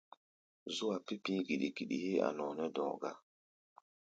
Zú-a pi̧ pi̧í̧ giɗi-giɗi héé a̧ nɔɔ nɛ́ dɔ̧ɔ̧ gá.